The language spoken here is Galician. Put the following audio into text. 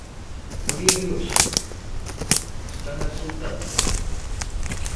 No día de hoxe, ¿estanas soltando?